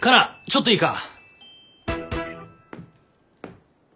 ちょっといいか。